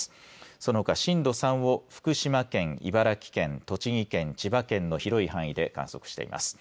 そのほか震度３を福島県、茨城県、栃木県、千葉県の広い範囲で観測しています。